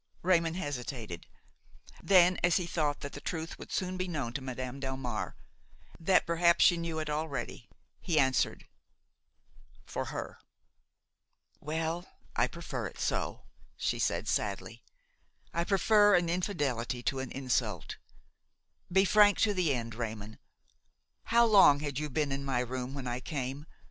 Raymon hesitated; then, as he thought that the truth would soon be known to Madame Delmare, that perhaps she knew it already, he answered: "For her." "Well, I prefer it so," she said sadly; "I prefer an infidelity to an insult. Be frank to the end, Raymon. How long had you been in my room when I came?